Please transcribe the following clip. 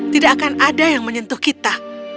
tidak akan ada yang menyentuh kita